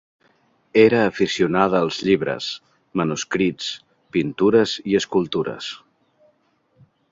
Era aficionada als llibres, manuscrits, pintures i escultures.